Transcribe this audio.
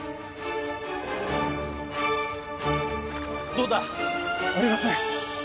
どうだ？ありません！